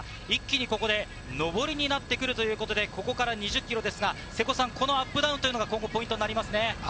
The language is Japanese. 一気にここで上りになってくるということで、ここから２０ｋｍ、アップダウンが今後ポイントになりますね。